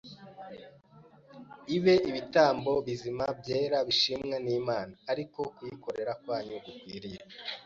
ibe ibitambo bizima byera bishimwa n’Imana, ari ko kuyikorera kwanyu gukwiriye